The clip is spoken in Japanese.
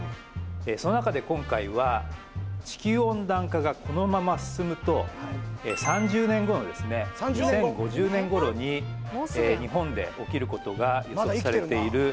その中で今回は地球温暖化がこのまま進むと３０年後の２０５０年頃に日本で起きることが予測されている